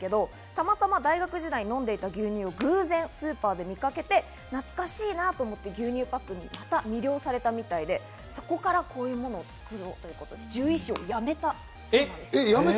たまたま大学時代、飲んでいた牛乳を偶然スーパーで見かけて懐かしいなと思って、牛乳パックにまた魅了されたみたいで、そこからこういうものを作ろうということで獣医師をやめたそうです。